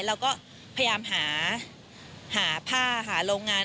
เราก็พยายามหาผ้าหาโรงงาน